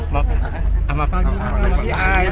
ต้องรอดู